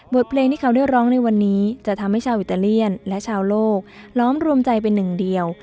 เพลงที่เขาได้ร้องในวันนี้จะทำให้ชาวอิตาเลียนและชาวโลกล้อมรวมใจเป็นหนึ่งเดียว